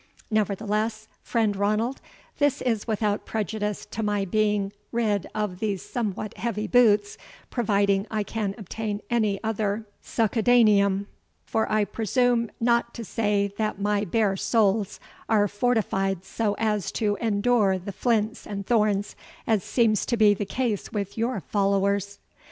Nevertheless, friend Ranald, this is without prejudice to my being rid of these somewhat heavy boots, providing I can obtain any other succedaneum; for I presume not to say that my bare soles are fortified so as to endure the flints and thorns, as seems to be the case with your followers."